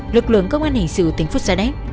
lực lượng công an hình sự tỉnh phu sa đéc